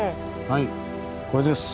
はいこれです。